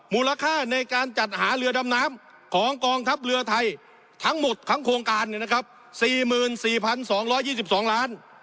มูลค่าในการจัดหาเรือดำน้ำของกองทัพเรือไทยทั้งหมดทั้งโครงการ๔๔๒๒ล้าน